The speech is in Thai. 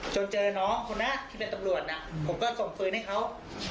เจอน้องคนนั้นที่เป็นตำรวจนะผมก็ส่งปืนให้เขา